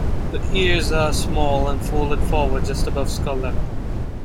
The ears are small and folded forward just above skull level.